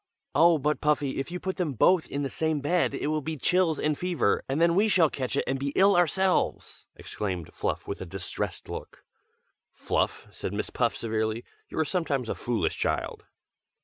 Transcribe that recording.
"Oh! but, Puffy, if you put them both in the same bed it will be chills and fever, and then we shall catch it and be ill ourselves!" exclaimed Fluff with a distressed look. "Fluff," said Miss Puff severely; "You are sometimes a foolish child!"